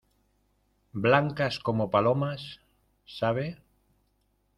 blancas como palomas. ¿ sabe?